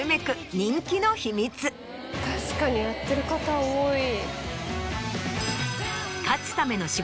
確かにやってる方多い。